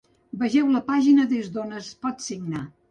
Vegeu la pàgina des d’on es pot signar.